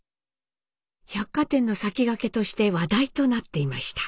百貨店の先駆けとして話題となっていました。